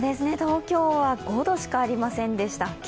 東京は５度しかありませんでした